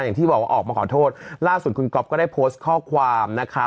อย่างที่บอกว่าออกมาขอโทษล่าสุดคุณก๊อฟก็ได้โพสต์ข้อความนะคะ